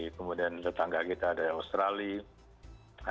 kemudian tetangga kita ada di australia